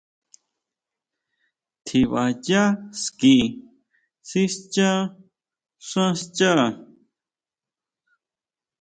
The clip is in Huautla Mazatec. Tjiba yá ski sischa xán xchá.